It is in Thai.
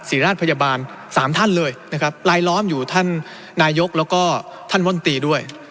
ราชพยาบาลสามท่านเลยนะครับลายล้อมอยู่ท่านนายกแล้วก็ท่านมนตรีด้วย